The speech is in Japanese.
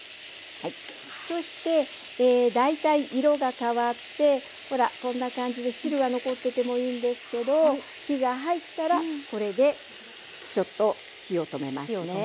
そして大体色が変わってほらこんな感じで汁は残っててもいいんですけど火が入ったらこれでちょっと火を止めますね。